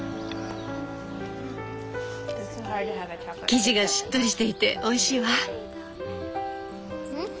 生地がしっとりしていておいしいわ。